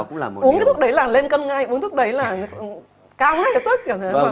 uống cái thuốc đấy là lên cân ngay uống thuốc đấy là cao hết là tức